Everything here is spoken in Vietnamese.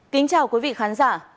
kính chào quý vị khán giả